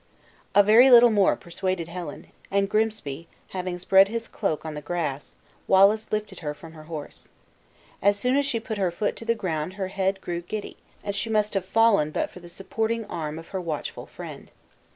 A very little more persuaded Helen; and Grimsby having spread his cloak on the grass, Wallace lifted her from her horse. As soon as she put her foot to the ground her head grew giddy, and she must have fallen but for the supporting arm of her watchful friend.